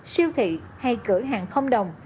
siêu thị hay cửa hàng không đồng